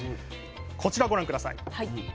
こちらご覧下さい。